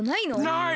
ない。